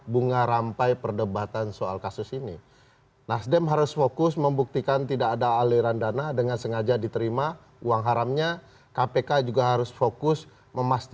dan pak prabowo adalah patriot sejati yang menyerah